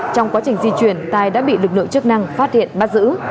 trong quá trình di chuyển tài đã bị lực lượng chức năng phát hiện bắt giữ